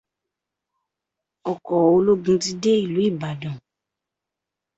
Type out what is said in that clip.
Ọkọ̀ ológun ti dé ìlú Ìbàdàn.